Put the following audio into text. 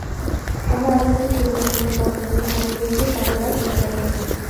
আমরা আরও একটি উত্তেজনাপূর্ণ পর্ব নিয়ে হাজির হয়েছি ট্র্যাভেলার উইকেন্ডে!